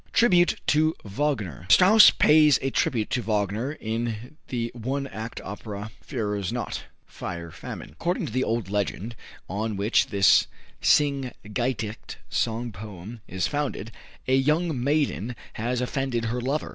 Tribute to Wagner. Strauss pays a tribute to Wagner in the one act opera, "Feuersnot" ("Fire Famine"). According to the old legend on which this Sing gedicht (song poem) is founded, a young maiden has offended her lover.